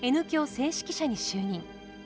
正指揮者に就任。